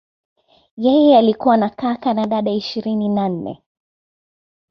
Yeye alikuwa na kaka na dada ishirini na nne.